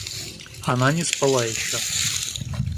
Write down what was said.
Она не спала еще.